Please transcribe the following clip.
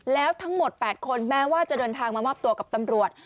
แล้วทั้งหมด๘คนแม้ว่าจะเดินทางมามอบตัวกับตำรวจ